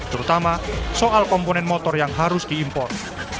terutama soal komponen motor yang harus diimpor